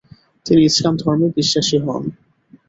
তিনি ইসলাম ধর্মে বিশ্বাসী হোন ।